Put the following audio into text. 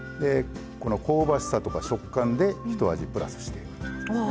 この香ばしさとか食感でひと味プラスしていくと。